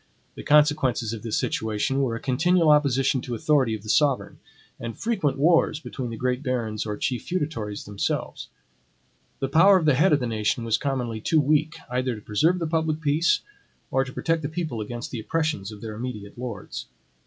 The consequences of this situation were a continual opposition to authority of the sovereign, and frequent wars between the great barons or chief feudatories themselves. The power of the head of the nation was commonly too weak, either to preserve the public peace, or to protect the people against the oppressions of their immediate lords.